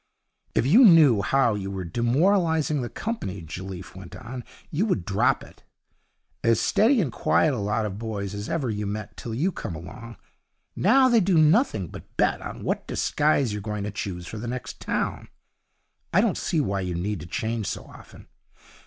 'If you knew how you were demoralizing the company,' Jelliffe went on, 'you would drop it. As steady and quiet a lot of boys as ever you met till you came along. Now they do nothing but bet on what disguise you're going to choose for the next town. I don't see why you need to change so often.